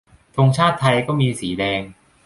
ธงชาติไทยก็มีสีแดง